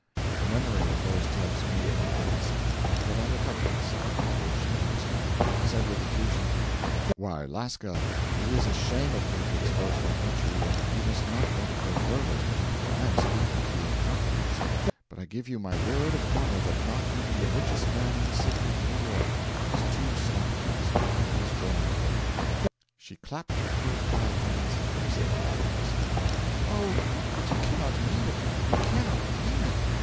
The memory of those tubs made me gasp, but I recovered myself before she noticed, and said with effusion: 'Why, Lasca, it is a shame of me to expose my country, and you must not let it go further, for I am speaking to you in confidence; but I give you my word of honour that not even the richest man in the city of New York has two slop tubs in his drawing room.' She clapped her fur clad hands in innocent delight, and exclaimed: 'Oh, but you cannot mean it, you cannot mean it!'